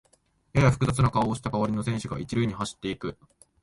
やや複雑な顔をした代わりの選手が一塁に走っていく